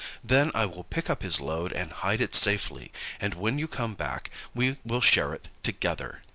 Then I will pick up his load, and hide it safely; and when you come back, we will share it together."